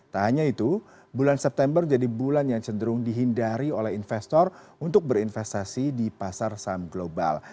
tak hanya itu bulan september jadi bulan yang cenderung dihindari oleh investor untuk berinvestasi di pasar saham global